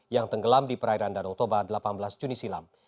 yang tenggelam di perairan danau toba delapan belas juni silam